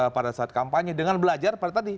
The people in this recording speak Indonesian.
pada saat kampanye dengan belajar pada tadi